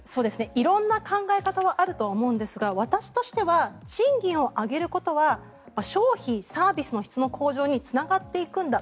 色んな考え方はあると思うんですが私としては賃金を上げることは商品、サービスの質の向上につながっていくんだ